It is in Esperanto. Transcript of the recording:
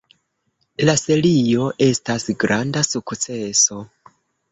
La serio estas granda sukceso.